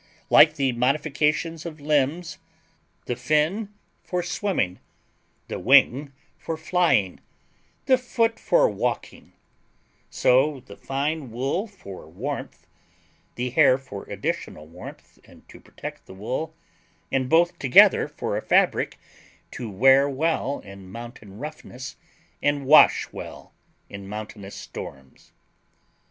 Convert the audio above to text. Like the modifications of limbs—the fin for swimming, the wing for flying, the foot for walking—so the fine wool for warmth, the hair for additional warmth and to protect the wool, and both together for a fabric to wear well in mountain roughness and wash well in mountain storms.